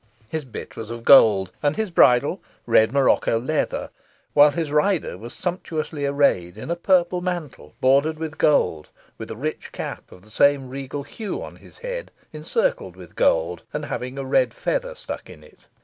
His bit was of gold, and his bridle red morocco leather, while his rider was very sumptuously arrayed in a purple mantle, bordered with gold, with a rich cap of the same regal hue on his head, encircled with gold, and having a red feather stuck in it.